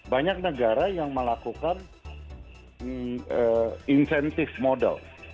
banyak negara yang melakukan insentif model